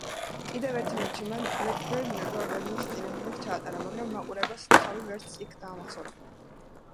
კიდევ ერთი მატჩი მან ბლექბერნ როვერსის წინააღმდეგ ჩაატარა, მაგრამ მაყურებელს თავი ვერც იქ დაამახსოვრა.